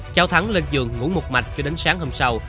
cháu thắng lên giường ngủ một mạch cho đến sáng hôm sau